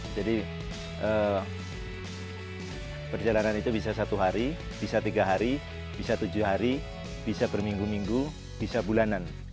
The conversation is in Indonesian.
jadi perjalanan itu bisa satu hari bisa tiga hari bisa tujuh hari bisa berminggu minggu bisa bulanan